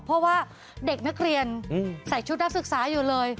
เพราะว่าเด็กนักเรียนใส่ชุดนักศึกษาอยู่เลย